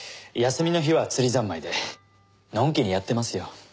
休みの日は釣り三昧でのんきにやってますよ。